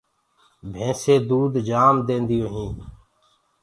ڀيسينٚ دود جآم دينديو هينٚ۔